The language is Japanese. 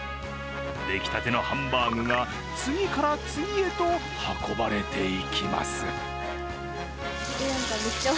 出来たてのハンバーグが次から次へと運ばれていきます。